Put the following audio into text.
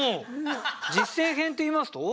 実践編っていいますと？